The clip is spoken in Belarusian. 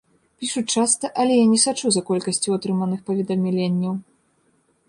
Пішуць часта, але я не сачу за колькасцю атрыманых паведамленняў.